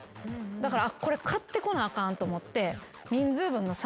だからこれ買ってこなあかんと思って。